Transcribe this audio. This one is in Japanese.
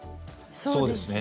そうですね。